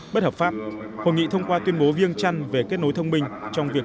bất hợp pháp hội nghị thông qua tuyên bố viêng chăn về kết nối thông minh trong việc